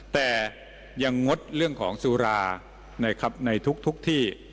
แต่ยังงดเรื่องของสุราในทุกที่